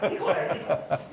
ハハハハ。